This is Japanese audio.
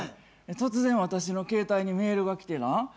突然私の携帯にメールが来てな。